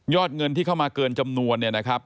เงินที่เข้ามาเกินจำนวนเนี่ยนะครับ